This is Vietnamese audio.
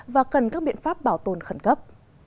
và cần các biện pháp bảo tồn khẩn cấp